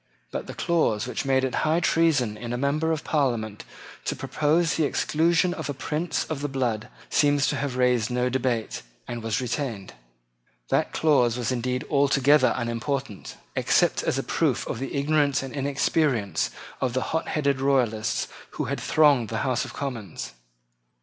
But the clause which made it high treason in a member of Parliament to propose the exclusion of a prince of the blood seems to have raised no debate, and was retained. That clause was indeed altogether unimportant, except as a proof of the ignorance and inexperience of the hotheaded Royalists who thronged the House of Commons.